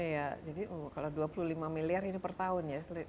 jadi kalau dua puluh lima miliar ini per tahun ya